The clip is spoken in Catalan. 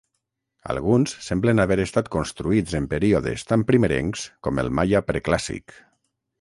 Alguns semblen haver estat construïts en períodes tan primerencs com el maia preclàssic.